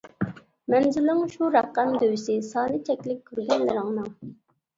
مەنزىلىڭ شۇ رەقەم دۆۋىسى، سانى چەكلىك كۆرگەنلىرىڭنىڭ.